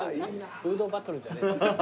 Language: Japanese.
フードバトルじゃないんですから。